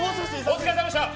お疲れさまでした！